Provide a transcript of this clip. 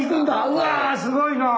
うわすごいなあ！